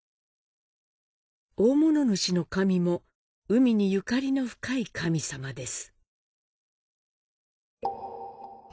大物主神も海にゆかりの深い神様です。